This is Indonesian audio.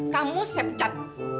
kamu saya pecat